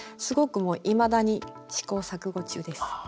すごくもういまだに試行錯誤中です。